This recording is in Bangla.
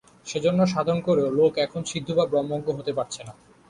সেজন্য সাধন করেও লোক এখন সিদ্ধ বা ব্রহ্মজ্ঞ হতে পারছে না।